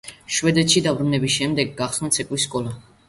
შვედეთში დაბრუნების შემდეგ გახსნა ცეკვის სკოლა.